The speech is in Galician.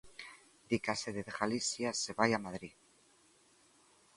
Di que a sede de Galicia se vai a Madrid.